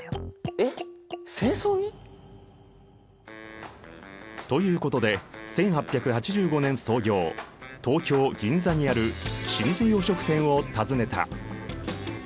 えっ戦争に！？ということで１８８５年創業東京・銀座にある老舗洋食店を訪ねた。